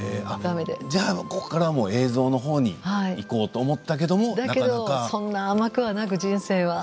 じゃあここから映像のほうにいこうと思ったけれども甘くはなく、人生は。